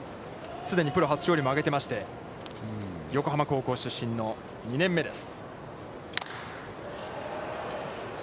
既にプロ初勝利をも上げていまして、横浜高校出身の２年目です。